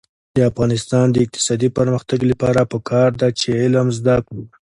د افغانستان د اقتصادي پرمختګ لپاره پکار ده چې علم زده کړو.